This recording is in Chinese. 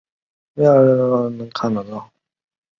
诺尔辰角亦可以由挪威沿岸游船看到。